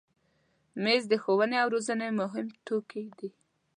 مېز د ښوونې او روزنې مهم توکي دي.